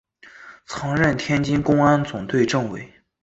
曾任天津公安总队政委。